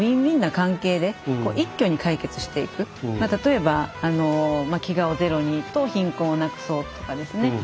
まあ例えば「飢餓をゼロに」と「貧困をなくそう」とかですね